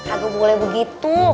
aku boleh begitu